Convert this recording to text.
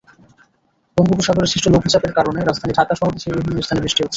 বঙ্গোপসাগরে সৃষ্ট লঘুচাপের কারণে রাজধানী ঢাকাসহ দেশের বিভিন্ন স্থানে বৃষ্টি হচ্ছে।